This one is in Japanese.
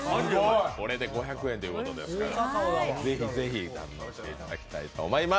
これで５００円ということですから、ぜひぜひ堪能していただきたいと思います。